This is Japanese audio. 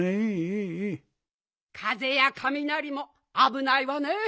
かぜやカミナリもあぶないわね。